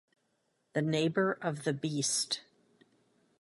The Neighbour of the Beast.